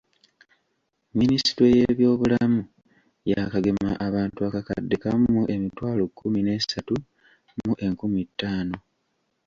Minisitule y'ebyobulamu yaakagema abantu akakadde kamu mu emitwalo kkumi n'esatu mu enkumi ttaano.